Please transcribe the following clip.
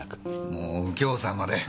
もう右京さんまで！